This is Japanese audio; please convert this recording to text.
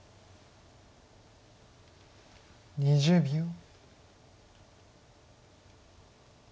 ２０秒。